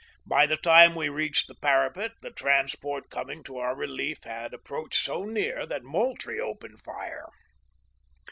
By the time we reached the parapet the transport coming to our relief had approached so near that Moultrie opened fire.